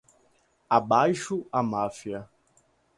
Abaixo à máfia.